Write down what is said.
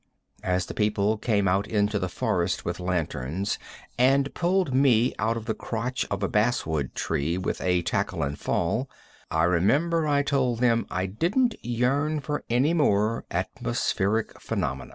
As the people came out into the forest with lanterns and pulled me out of the crotch of a basswood tree with a "tackle and fall," I remember I told them I didn't yearn for any more atmospheric phenomena.